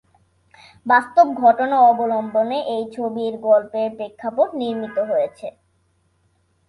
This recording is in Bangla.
বাস্তব ঘটনা অবলম্বনে এই ছবির গল্পের প্রেক্ষাপট নির্মিত হয়েছে।